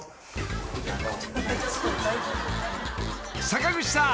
［坂口さん。